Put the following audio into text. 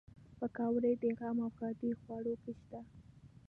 پکورې د غم او ښادۍ خوړو کې شته